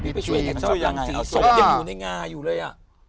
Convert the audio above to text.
มีไปช่วยเห็นเจ้ายังไงศพยังอยู่ในง่าอยู่เลยอะ